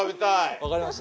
わかりました。